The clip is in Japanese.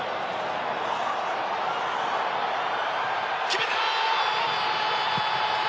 決めた！